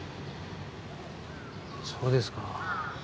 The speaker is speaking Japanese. そうですか。